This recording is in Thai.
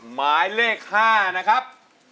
หมายเลข๕นะครับ